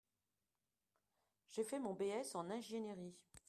J'ai fait mon B.S en ingiénierie.